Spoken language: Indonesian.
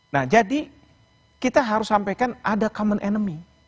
nah jadi kita harus sampaikan ada common enemy